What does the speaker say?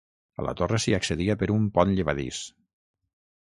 A la torre s'hi accedia per un pont llevadís.